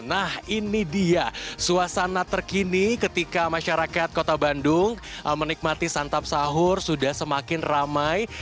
nah ini dia suasana terkini ketika masyarakat kota bandung menikmati santap sahur sudah semakin ramai